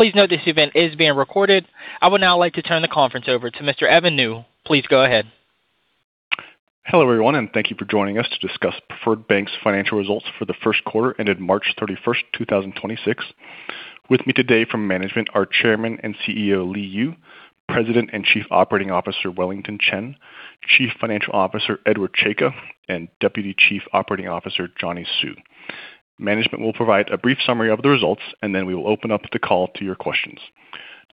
Please note this event is being recorded. I would now like to turn the conference over to Mr. Evan New. Please go ahead. Hello, everyone, and thank you for joining us to discuss Preferred Bank's financial results for the first quarter ended March 31st, 2026. With me today from management are Chairman and CEO Li Yu, President and Chief Operating Officer Wellington Chen, Chief Financial Officer Edward Czajka, and Deputy Chief Operating Officer Johnny Hsu. Management will provide a brief summary of the results, and then we will open up the call to your questions.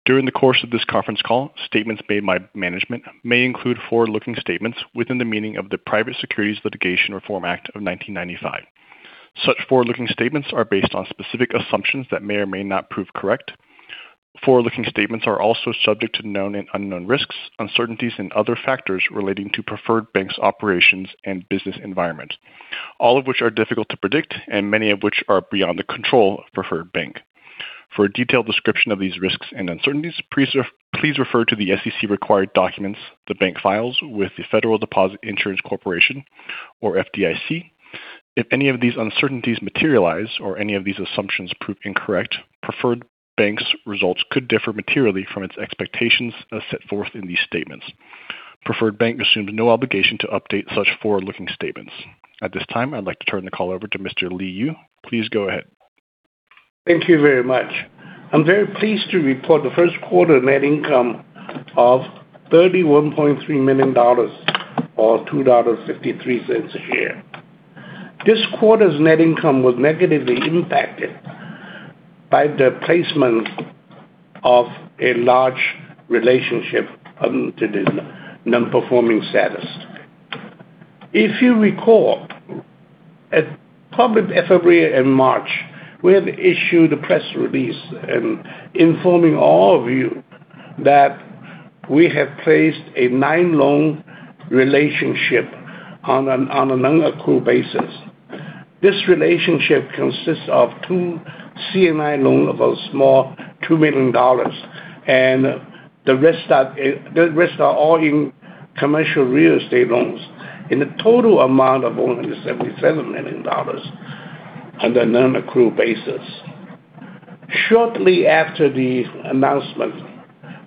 During the course of this conference call, statements made by management may include forward-looking statements within the meaning of the Private Securities Litigation Reform Act of 1995. Such forward-looking statements are based on specific assumptions that may or may not prove correct. Forward-looking statements are also subject to known and unknown risks, uncertainties, and other factors relating to Preferred Bank's operations and business environment, all of which are difficult to predict and many of which are beyond the control of Preferred Bank. For a detailed description of these risks and uncertainties, please refer to the SEC required documents the bank files with the Federal Deposit Insurance Corporation or FDIC. If any of these uncertainties materialize or any of these assumptions prove incorrect, Preferred Bank's results could differ materially from its expectations as set forth in these statements. Preferred Bank assumes no obligation to update such forward-looking statements. At this time, I'd like to turn the call over to Mr. Li Yu. Please go ahead. Thank you very much. I'm very pleased to report the first quarter net income of $31.3 million or $2.53 a share. This quarter's net income was negatively impacted by the placement of a large relationship onto the non-performing status. If you recall, probably February and March, we have issued a press release informing all of you that we have placed a nine-loan relationship on a non-accrual basis. This relationship consists of two C&I loans of a small $2 million, and the rest are all in commercial real estate loans in the total amount of only $77 million on the non-accrual basis. Shortly after the announcement,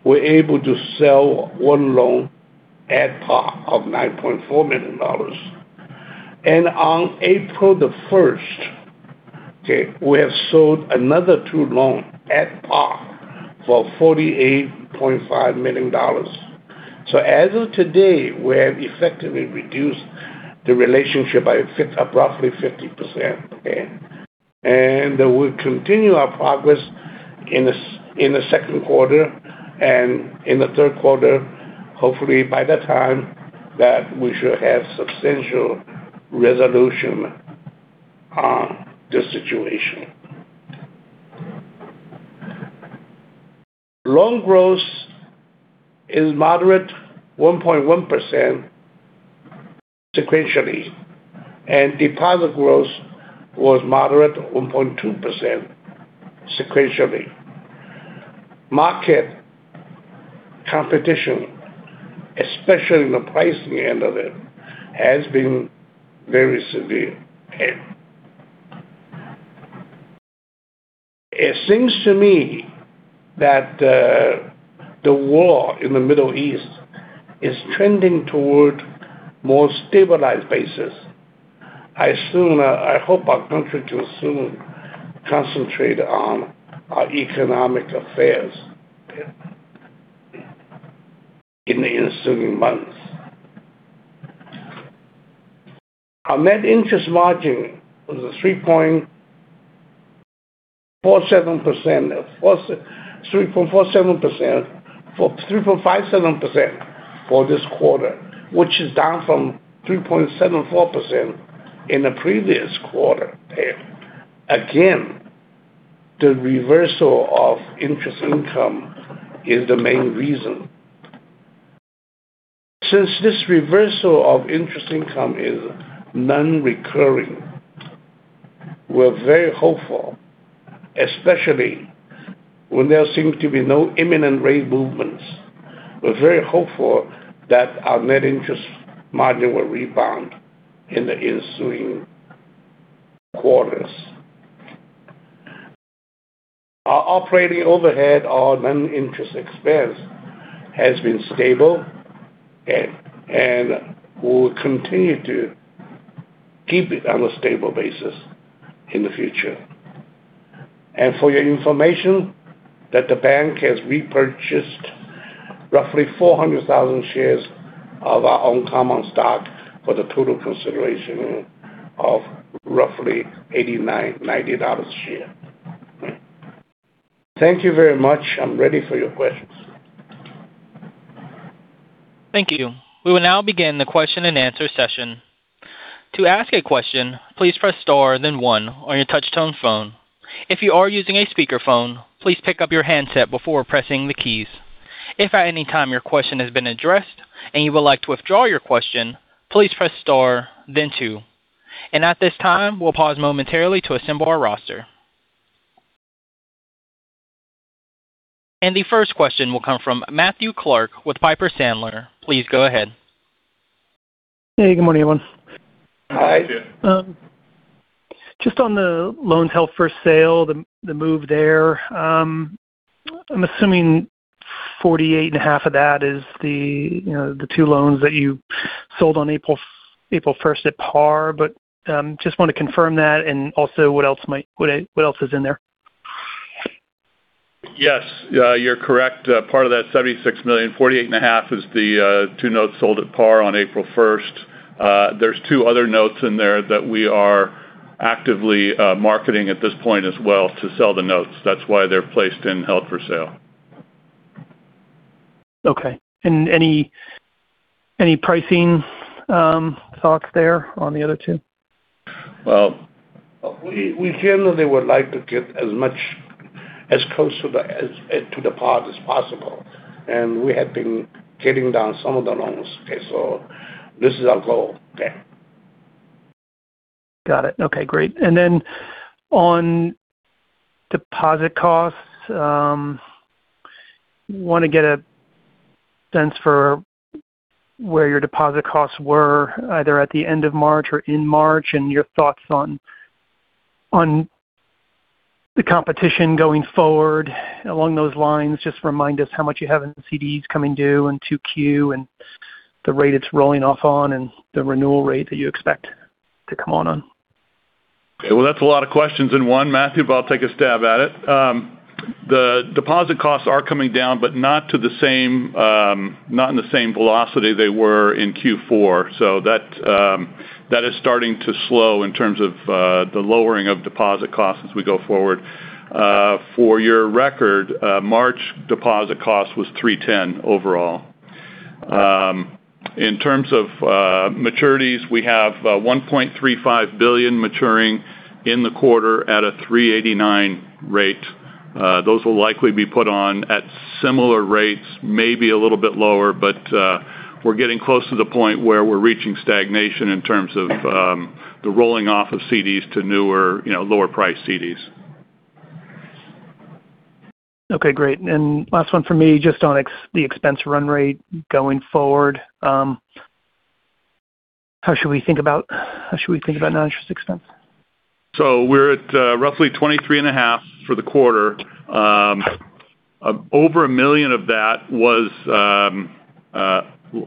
we're able to sell one loan at par of $9.4 million. On April the 1st, we have sold another two loans at par for $48.5 million. As of today, we have effectively reduced the relationship by roughly 50%, and we continue our progress in the second quarter and in the third quarter. Hopefully by that time we should have substantial resolution on this situation. Loan growth is moderate 1.1% sequentially, and deposit growth was moderate 1.2% sequentially. Market competition, especially in the pricing end of it, has been very severe. It seems to me that the war in the Middle East is trending toward a more stable basis. I hope our country can soon concentrate on our economic affairs in the ensuing months. Our net interest margin was 3.57% for this quarter, which is down from 3.74% in the previous quarter. Again, the reversal of interest income is the main reason. Since this reversal of interest income is non-recurring, we're very hopeful, especially when there seems to be no imminent rate movements. We're very hopeful that our net interest margin will rebound in the ensuing quarters. Our operating overhead, our non-interest expense has been stable, and we'll continue to keep it on a stable basis in the future. For your information, that the bank has repurchased roughly 400,000 shares of our own common stock for the total consideration of roughly $89-$90 a share. Thank you very much. I'm ready for your questions. Thank you. We will now begin the question and answer session. To ask a question, please press star then one on your touch-tone phone. If you are using a speakerphone, please pick up your handset before pressing the keys. If at any time your question has been addressed and you would like to withdraw your question, please press star then two. At this time, we'll pause momentarily to assemble our roster. The first question will come from Matthew Clark with Piper Sandler. Please go ahead. Hey, good morning, everyone. Hi. Just on the loans held for sale, the move there. I'm assuming $48.5 of that is the two loans that you sold on April 1st at par. Just want to confirm that and also what else is in there. Yes. You're correct. Part of that $76 million, $48.5 million, is the two notes sold at par on April 1st. There's two other notes in there that we are actively marketing at this point as well to sell the notes. That's why they're placed in held for sale. Okay. Any pricing thoughts there on the other two? Well, we feel that they would like to get as close to the par as possible, and we have been writing down some of the loans. Okay, so this is our goal. Got it. Okay, great. On deposit costs, want to get a sense for where your deposit costs were, either at the end of March or in March, and your thoughts on the competition going forward. Along those lines, just remind us how much you have in CDs coming due in 2Q, and the rate it's rolling off on, and the renewal rate that you expect to come on. Okay. Well, that's a lot of questions in one, Matthew, but I'll take a stab at it. The deposit costs are coming down, but not in the same velocity they were in Q4. That is starting to slow in terms of the lowering of deposit costs as we go forward. For your record, March deposit cost was 3.10% overall. In terms of maturities, we have $1.35 billion maturing in the quarter at a 3.89% rate. Those will likely be put on at similar rates, maybe a little bit lower, but we're getting close to the point where we're reaching stagnation in terms of the rolling off of CDs to newer, lower priced CDs. Okay, great. Last one for me, just on the expense run rate going forward. How should we think about non-interest expense? We're at roughly 23.5 for the quarter. Over $1 million of that was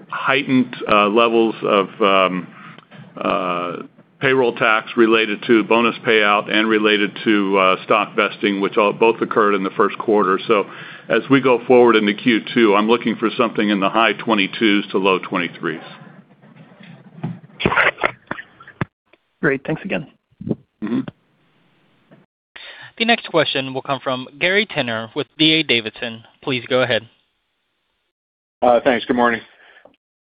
heightened levels of payroll tax related to bonus payout and related to stock vesting, which both occurred in the first quarter. As we go forward into Q2, I'm looking for something in the high 22s to low 23s. Great. Thanks again. Mm-hmm. The next question will come from Gary Tenner with D.A. Davidson. Please go ahead. Thanks. Good morning.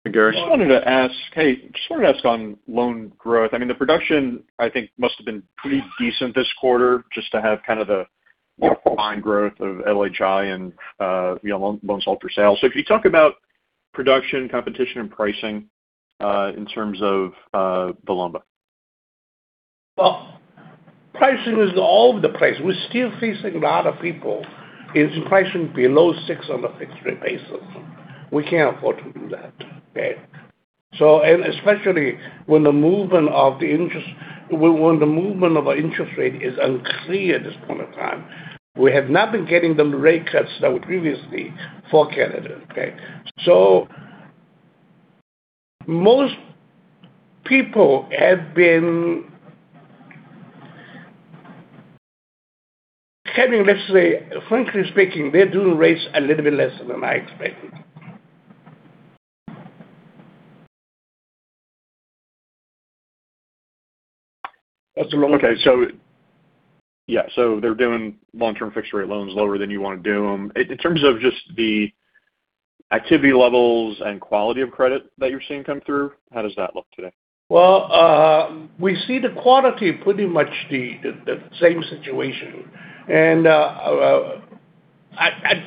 Hey, Gary. Just wanted to ask on loan growth. The production, I think, must have been pretty decent this quarter just to have kind of the line growth of LHI and loans held for sale. Could you talk about production, competition, and pricing in terms of Bolomba? Well, pricing is all over the place. We're still facing a lot of people. It's pricing below 6% on a fixed rate basis. We can't afford to do that. Okay. Especially when the movement of our interest rate is unclear at this point in time. We have not been getting the rate cuts that we previously forecasted. Okay. Most people have been having, let's say, frankly speaking, they're doing rates a little bit less than I expected. Okay. They're doing long-term fixed rate loans lower than you want to do them. In terms of just the activity levels and quality of credit that you're seeing come through, how does that look today? Well, we see the quality pretty much the same situation. I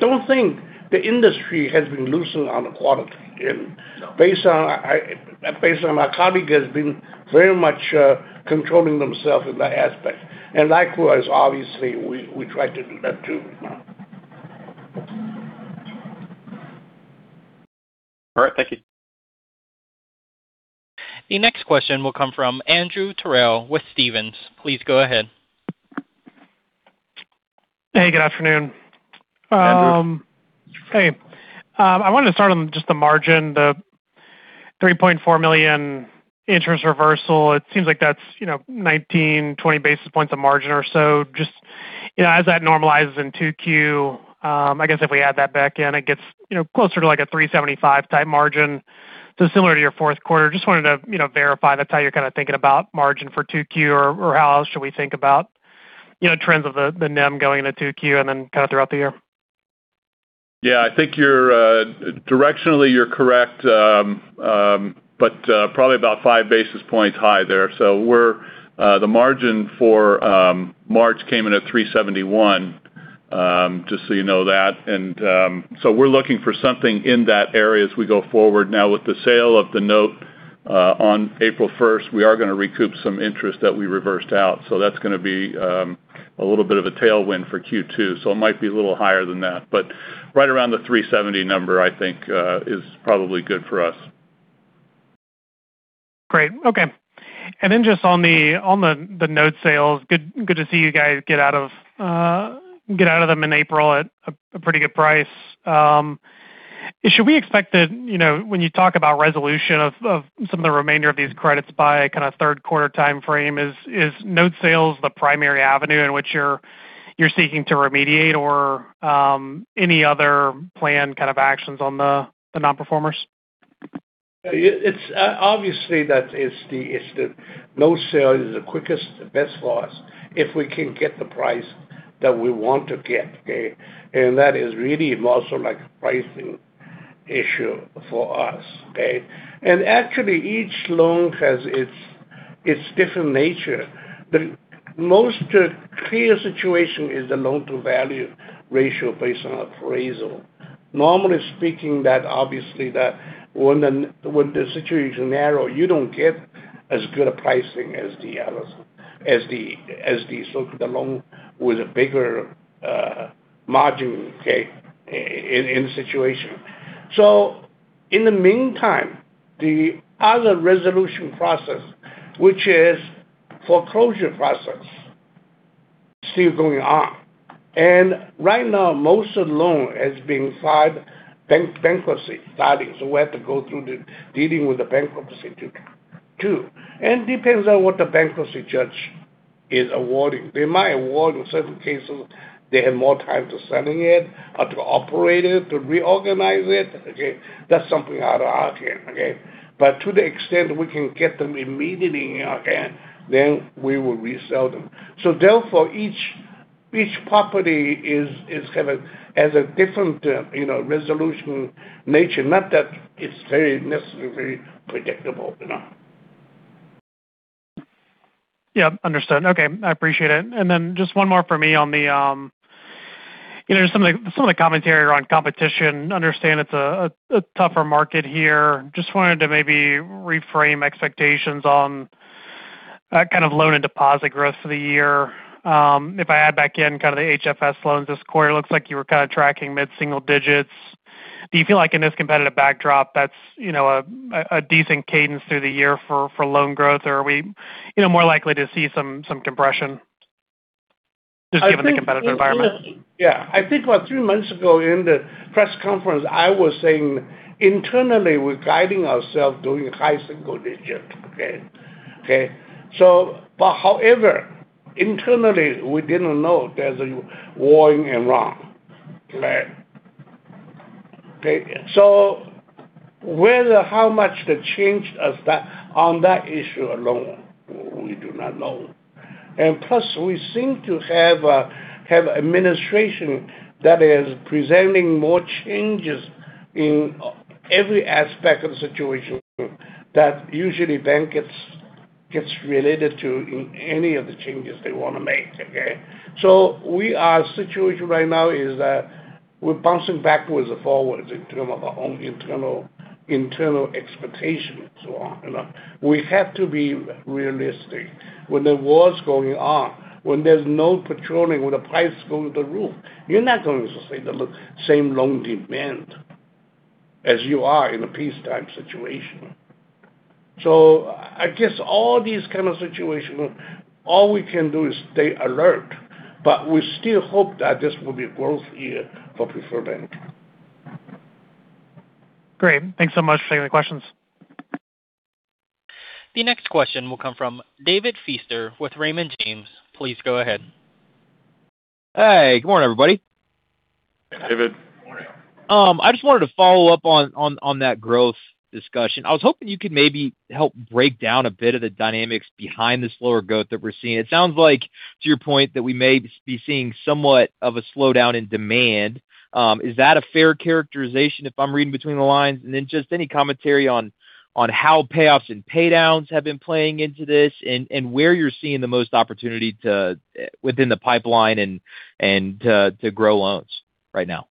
don't think the industry has been loosened on the quality. No. Based on our colleague has been very much controlling themselves in that aspect. Likewise, obviously, we try to do that too. All right. Thank you. The next question will come from Andrew Terrell with Stephens. Please go ahead. Hey, good afternoon. Andrew. Hey. I wanted to start on just the margin, the $3.4 million interest reversal. It seems like that's 19-20 basis points of margin or so. Just as that normalizes in 2Q, I guess if we add that back in, it gets closer to like a 375 type margin. Similar to your fourth quarter. Just wanted to verify that's how you're kind of thinking about margin for 2Q or how else should we think about trends of the NIM going into 2Q and then kind of throughout the year? Yeah, I think directionally you're correct, but probably about five basis points high there. The margin for March came in at 371, just so you know that. We're looking for something in that area as we go forward. Now with the sale of the note on April 1st, we are going to recoup some interest that we reversed out. That's going to be a little bit of a tailwind for Q2, so it might be a little higher than that, but right around the 370 number, I think, is probably good for us. Great. Okay. Then just on the note sales, good to see you guys get out of them in April at a pretty good price. Should we expect that when you talk about resolution of some of the remainder of these credits by third quarter timeframe, note sales the primary avenue in which you're seeking to remediate or any other planned actions on the non-performers? Obviously, note sale is the quickest and best for us if we can get the price that we want to get, okay? That is really also a pricing issue for us. Actually, each loan has its different nature. The clearest situation is the loan-to-value ratio based on appraisal. Normally speaking, obviously, when the situation is narrow, you don't get as good a pricing as the others, as the so-called loan with a bigger margin in the situation. In the meantime, the other resolution process, which is foreclosure process, is still going on. Right now, most of the loan has been filed bankruptcy filings. We have to go through the dealing with the bankruptcy too. It depends on what the bankruptcy judge is awarding. They might award, in certain cases, they have more time to selling it or to operate it, to reorganize it. That's something out of our hands. To the extent we can get them immediately in our hands, then we will resell them. Therefore, each property has a different resolution nature. Not that it's very necessarily predictable. Yeah. Understood. Okay. I appreciate it. Just one more for me on some of the commentary around competition. Understand it's a tougher market here. Just wanted to maybe reframe expectations on loan and deposit growth for the year. If I add back in the HFS loans this quarter, looks like you were kind of tracking mid-single digits. Do you feel like in this competitive backdrop, that's a decent cadence through the year for loan growth or are we more likely to see some compression just given the competitive environment? Yeah. I think about three months ago in the press conference, I was saying internally, we're guiding ourselves doing high single digit. However, internally, we didn't know there's a war in Iran. Whether how much the change on that issue alone, we do not know. Plus, we seem to have administration that is presenting more changes in every aspect of the situation that usually bank gets related to any of the changes they want to make. Our situation right now is that we're bouncing backwards and forwards in terms of our own internal expectation and so on. We have to be realistic. When there are wars going on, when there's no petroleum, when the price goes through the roof, you're not going to see the same loan demand as you are in a peacetime situation. I guess all these kind of situation, all we can do is stay alert, but we still hope that this will be a growth year for Preferred Bank. Great. Thanks so much for taking the questions. The next question will come from David Feaster with Raymond James. Please go ahead. Hey, good morning, everybody. Hey, David. Good morning. I just wanted to follow up on that growth discussion. I was hoping you could maybe help break down a bit of the dynamics behind the slower growth that we're seeing. It sounds like, to your point, that we may be seeing somewhat of a slowdown in demand. Is that a fair characterization if I'm reading between the lines? Just any commentary on how payoffs and pay downs have been playing into this and where you're seeing the most opportunity within the pipeline and to grow loans right now.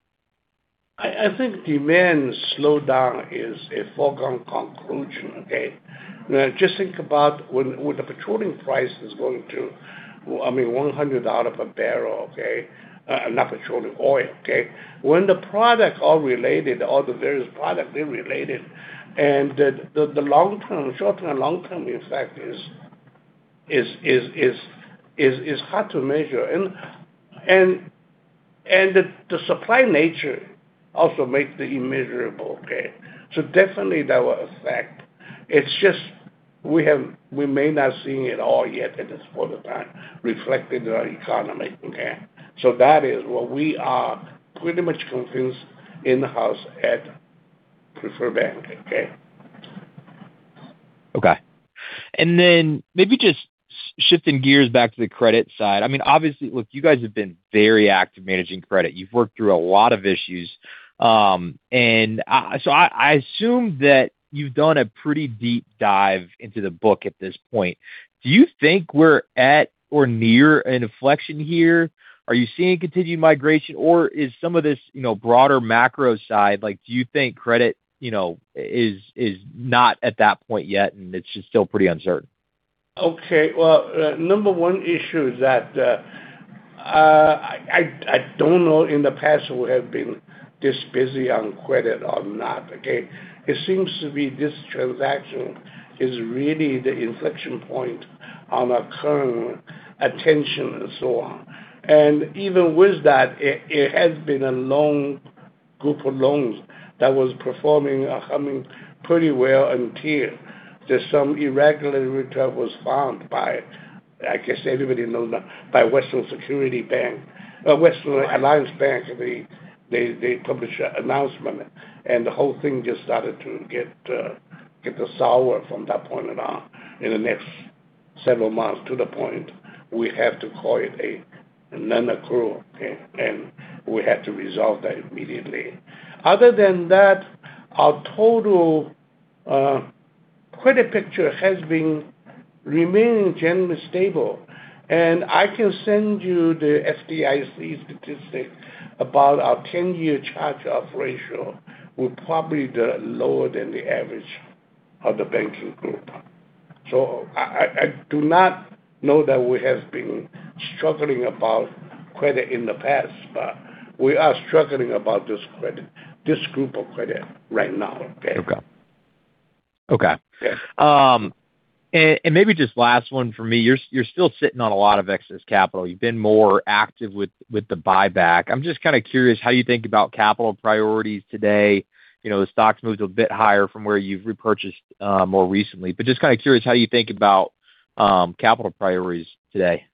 I think demand slowdown is a foregone conclusion. Just think about when the petroleum price is going to $100 a barrel. Not petroleum, oil. When the products are related, all the various product, they're related. The short-term, long-term effect is hard to measure. The supply nature also makes it immeasurable. Definitely that will affect. It's just we may not see it all yet at this point of time reflected in our economy. That is what we are pretty much convinced in-house at Preferred Bank. Okay. Maybe just shifting gears back to the credit side. Obviously, look, you guys have been very active managing credit. You've worked through a lot of issues. I assume that you've done a pretty deep dive into the book at this point. Do you think we're at or near an inflection here? Are you seeing continued migration or is some of this broader macro side, do you think credit is not at that point yet and it's just still pretty uncertain? Okay. Well, number one issue is that I don't know in the past we have been this busy on credit or not, okay? It seems to be this transaction is really the inflection point on our current attention and so on. Even with that, it has been a group of loans that was performing pretty well until there's some irregular return was found by, I guess anybody knows that, by Western Alliance Bank. Western Alliance Bank, they published an announcement, and the whole thing just started to get sour from that point on, in the next several months, to the point we have to call it a non-accrual, okay? We had to resolve that immediately. Other than that, our total credit picture has been remaining generally stable. I can send you the FDIC statistic about our 10-year charge-off ratio. We're probably lower than the average of the banking group. I do not know that we have been struggling about credit in the past, but we are struggling about this credit, this group of credit right now, okay? Okay. Yes. Maybe just last one from me. You're still sitting on a lot of excess capital. You've been more active with the buyback. I'm just curious how you think about capital priorities today. The stock's moved a bit higher from where you've repurchased more recently. Just curious how you think about capital priorities today.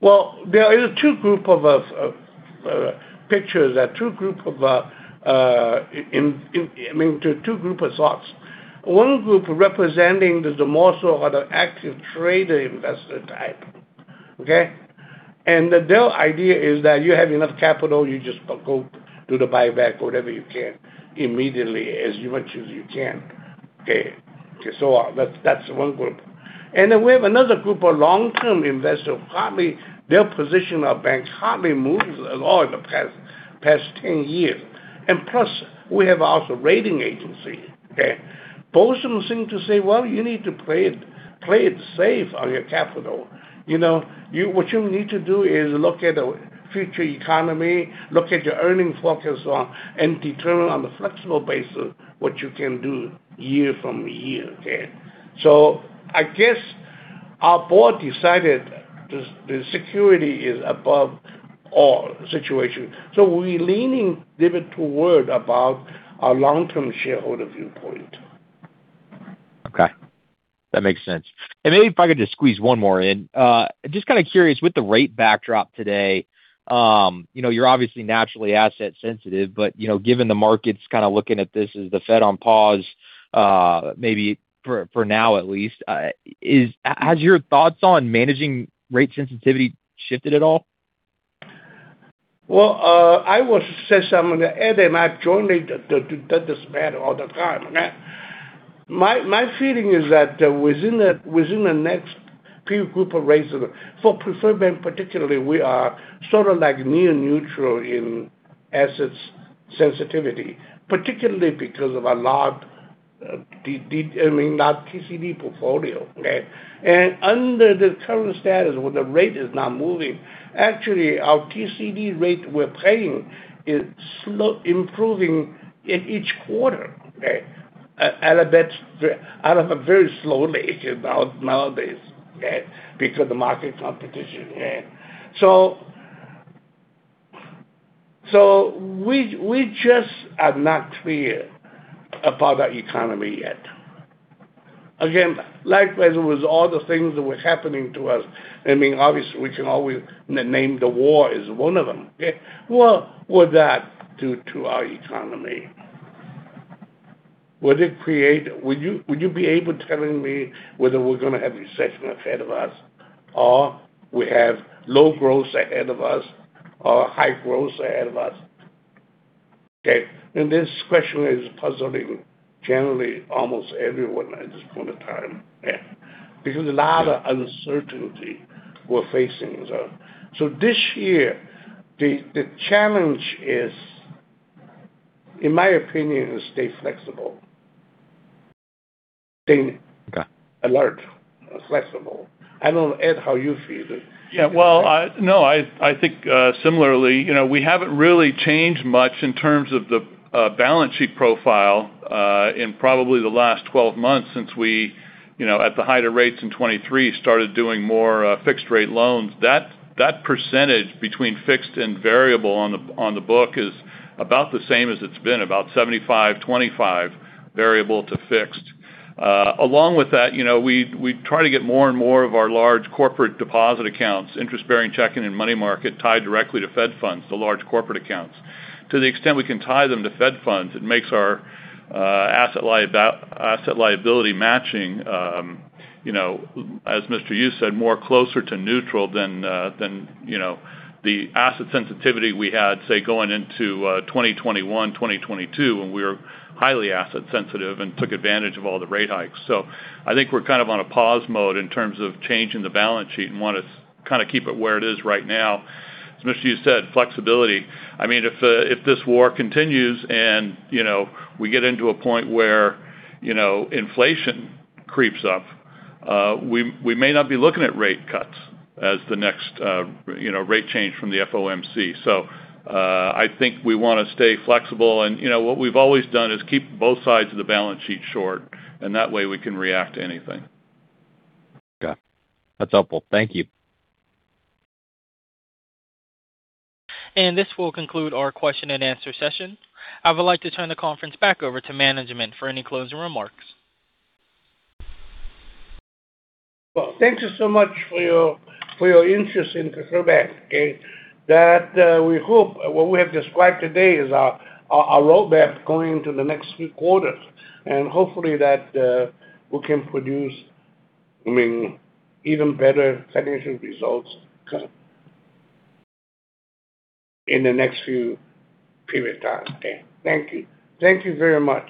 Well, there are two groups of thoughts. One group representing the more sort of the active trader investor type, okay? Their idea is that you have enough capital, you just go do the buyback, whatever you can, immediately, as much as you can, okay, so on. That's one group. We have another group of long-term investors, their position of the bank hardly moves at all in the past 10 years. Plus, we have also rating agency, okay? Both of them seem to say, "Well, you need to play it safe on your capital. What you need to do is look at the future economy, look at your earnings forecast and so on, and determine on a flexible basis what you can do year from year," okay? Our board decided the security is above all situation. We're leaning a bit toward about our long-term shareholder viewpoint. Okay. That makes sense. Maybe if I could just squeeze one more in. Just curious, with the rate backdrop today, you're obviously naturally asset sensitive, but given the market's kind of looking at this as the Fed on pause, maybe for now at least, has your thoughts on managing rate sensitivity shifted at all? Well, I would say something, Ed and I have jointly done this matter all the time, okay? My feeling is that within the next few group of rates, for Preferred Bank particularly, we are sort of near neutral in assets sensitivity, particularly because of our large TCD portfolio, okay? Under the current status, where the rate is not moving, actually, our TCD rate we're paying is improving in each quarter, okay? At a very slow rate nowadays, okay? Because of market competition. We just are not clear about the economy yet. Again, likewise, with all the things that were happening to us, obviously, we can always name the war is one of them, okay? What would that do to our economy? Would you be able telling me whether we're going to have recession ahead of us, or we have low growth ahead of us, or high growth ahead of us? Okay. This question is puzzling, generally, almost everyone at this point of time, yeah. Because a lot of uncertainty we're facing. This year, the challenge is, in my opinion, stay flexible. Okay. Alert. Flexible. I don't know, Ed, how you feel. Yeah. Well, no, I think similarly. We haven't really changed much in terms of the balance sheet profile in probably the last 12 months since we, at the height of rates in 2023, started doing more fixed rate loans. That percentage between fixed and variable on the book is about the same as it's been, about 75/25 variable to fixed. Along with that, we try to get more and more of our large corporate deposit accounts, interest-bearing checking and money market, tied directly to Fed funds, the large corporate accounts. To the extent we can tie them to Fed funds, it makes our asset liability matching, as Mr. Yu said, more closer to neutral than the asset sensitivity we had, say, going into 2021, 2022, when we were highly asset sensitive and took advantage of all the rate hikes. I think we're on a pause mode in terms of changing the balance sheet and want to keep it where it is right now. As Mr. Yu said, flexibility. If this war continues and we get into a point where inflation creeps up, we may not be looking at rate cuts as the next rate change from the FOMC. I think we want to stay flexible, and what we've always done is keep both sides of the balance sheet short, and that way we can react to anything. Okay. That's helpful. Thank you. This will conclude our question and answer session. I would like to turn the conference back over to management for any closing remarks. Well, thank you so much for your interest in Preferred Bank, okay? We hope that what we have described today is our roadmap going into the next few quarters, and hopefully we can produce even better financial results in the next few periods of time, okay? Thank you. Thank you very much.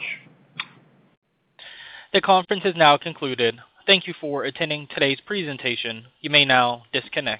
The conference is now concluded. Thank you for attending today's presentation. You may now disconnect.